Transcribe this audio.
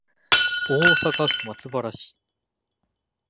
大阪府松原市